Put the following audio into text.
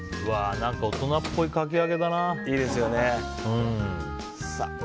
何か大人っぽいかき揚げだな。